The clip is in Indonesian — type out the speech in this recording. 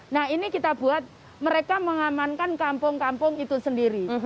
nah ini kita buat mereka mengamankan kampung kampung itu sendiri